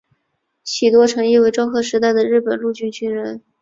喜多诚一为昭和时代的日本陆军军人。